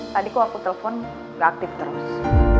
tadiku aku telpon ga aktif terus